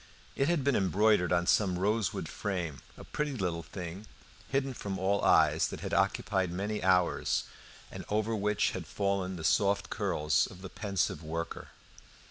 It had been embroidered on some rosewood frame, a pretty little thing, hidden from all eyes, that had occupied many hours, and over which had fallen the soft curls of the pensive worker.